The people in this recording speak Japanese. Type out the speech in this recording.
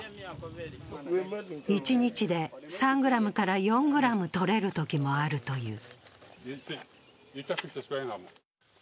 一日で３ｇから４ｇ取れるときもあるという。